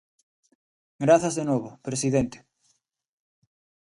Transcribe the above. Grazas de novo, presidente.